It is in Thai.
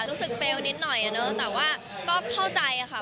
รู้สึกเฟลล์นิดหน่อยเนอะแต่ว่าก็เข้าใจค่ะ